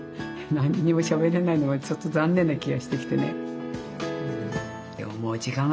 何もしゃべれないのはちょっと残念な気がしてきてね。